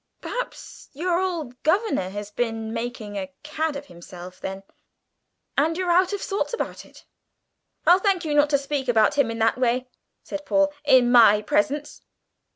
"Perhaps your old governor has been making a cad of himself then, and you're out of sorts about it." "I'll thank you not to speak about him in that way," said Paul, "in my presence."